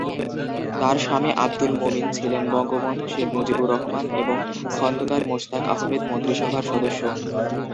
তার স্বামী আবদুল মোমিন ছিলেন বঙ্গবন্ধু শেখ মুজিবুর রহমান এবং খন্দকার মোশতাক আহমেদ মন্ত্রীসভার সদস্য।